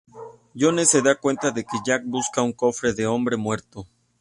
Jones se da cuenta de que Jack busca el Cofre del Hombre Muerto.